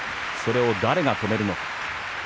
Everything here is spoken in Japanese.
それを誰が止めるのか。